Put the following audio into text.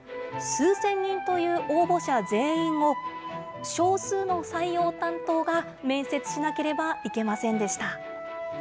数千人という応募者全員を少数の採用担当が面接しなければいけませんでした。